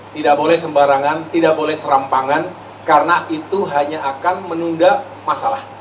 tidak boleh sembarangan tidak boleh serampangan karena itu hanya akan menunda masalah